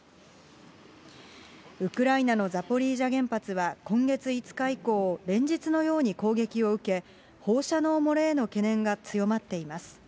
ウクライナのザポリージャ原発は、今月５日以降、連日のように攻撃を受け、放射能漏れへの懸念が強まっています。